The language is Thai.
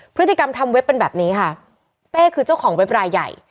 พฤติกรรมทำเว็บเป็นแบบนี้ค่ะเต้คือเจ้าของเว็บรายใหญ่